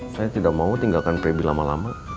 saya tidak mau tinggalkan pb lama lama